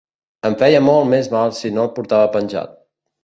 Em feia molt més mal si no el portava penjat